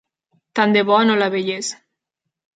Tant de bo no la veiés!